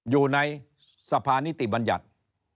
อยู่ในสภานิติบัญญัติ